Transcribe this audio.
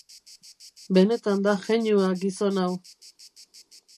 Benetan da jeinua gizon hau!